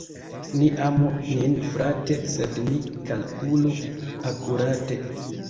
Ni amu nin frate, sed ni kalkulu akurate.